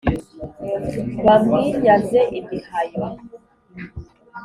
bamwinyaze imihayo,